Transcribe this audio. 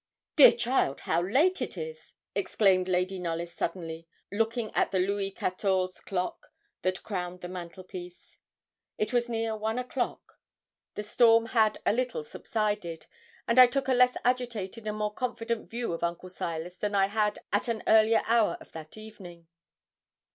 'Dear child, how late it is!' exclaimed Lady Knollys suddenly, looking at the Louis Quatorze clock, that crowned the mantelpiece. It was near one o'clock. The storm had a little subsided, and I took a less agitated and more confident view of Uncle Silas than I had at an earlier hour of that evening.